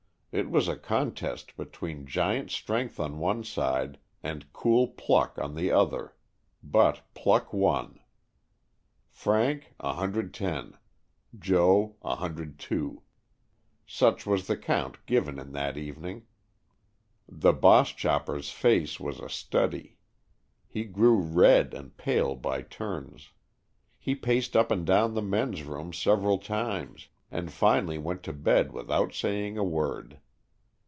It was a contest between giant strength on one side and cool pluck on the other; but pluck won. Frank, 110; Joe, 102. Such was the count given in that evening. The "boss 111 Stories from the Adirondack^. chopper's" face was a study. He grew red and pale by turns. He paced up and down the ''men's room" several times, and finally went to bed without saying a word.